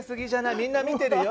みんな見てるよ。